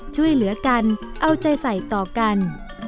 ช่วยเหลือกันเอาใจใส่ต่อกัน